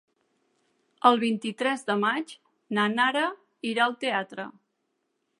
El vint-i-tres de maig na Nara irà al teatre.